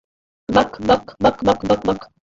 বাক, বাক, বাক, বাক, বাক, বাক।